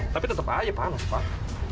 tapi tetap aja panas pak